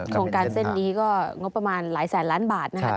โครงการเส้นนี้ก็งบประมาณหลายแสนล้านบาทนะครับ